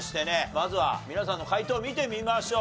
まずは皆さんの解答見てみましょう。